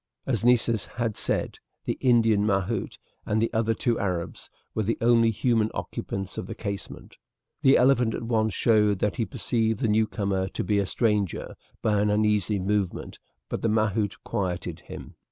As Nessus had said, the Indian mahout and the other two Arabs were the only human occupants of the casemate. The elephant at once showed that he perceived the newcomer to be a stranger by an uneasy movement, but the mahout quieted him.